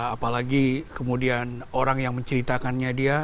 apalagi kemudian orang yang menceritakannya dia